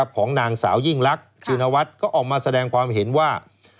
ของนางสาวยิ่งรักชินวัฒน์ก็ออกมาแสดงความเห็นว่า